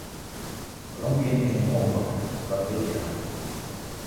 Weromgean is ûnmooglik, dat wit hja.